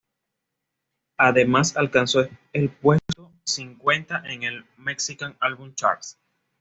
Además alcanzó el puesto cincuenta en el "Mexican Album Charts".